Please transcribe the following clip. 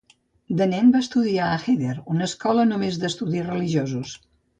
De nen va estudiar a heder, una escola només d'estudis religiosos.